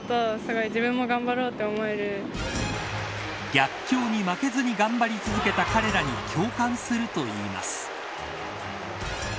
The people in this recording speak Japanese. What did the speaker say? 逆境に負けずに頑張り続けた彼らに共感するといいます。